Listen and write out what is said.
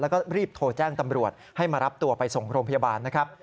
แล้วก็รีบโทรแจ้งตำรวจให้มารับตัวไปส่งโรงพยาบาลนะครับ